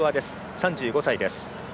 ３５歳です。